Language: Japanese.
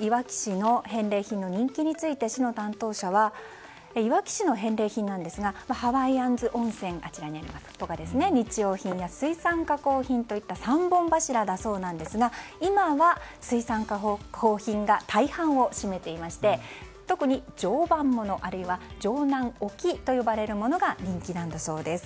いわき市の返礼品の人気について市の担当者はいわき市の返礼品ですがハワイアンズ・温泉とか日用品や水産加工品といった３本柱なんだそうですが今は、水産加工品が大半を占めていまして特に常磐ものあるいは常磐沖と呼ばれるものが人気なんだそうです。